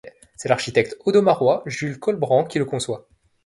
C’est l’architecte audomarois Jules Colbrant qui le conçoit.